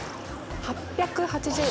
８８０円。